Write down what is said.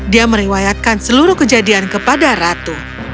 dia meriwayatkan seluruh kejadian kepada ratu